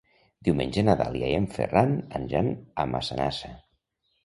Diumenge na Dàlia i en Ferran aniran a Massanassa.